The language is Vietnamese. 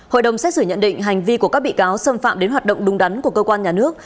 hội đồng xét xử nhận định hành vi của các bị cáo xâm phạm đến hoạt động đúng đắn của cơ quan nhà nước